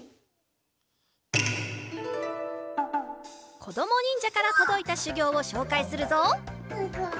こどもにんじゃからとどいたしゅぎょうをしょうかいするぞ！